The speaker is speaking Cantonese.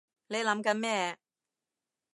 你諗緊咩？